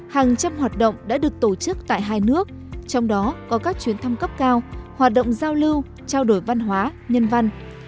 hàng trăm hoạt động đã được tổ chức tại hai nước trong đó có các chuyến thăm cấp cao hoạt động giao lưu trao đổi văn hóa nhân văn